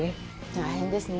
大変ですね。